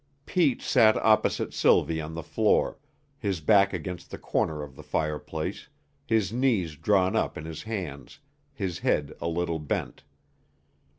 Pete sat opposite Sylvie on the floor, his back against the corner of the fireplace, his knees drawn up in his hands, his head a little bent.